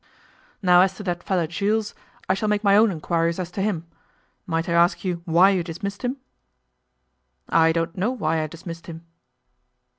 Now as to that feller Jules, I shall make my own inquiries as to him. Might I ask you why you dismissed him?' 'I don't know why I dismissed him.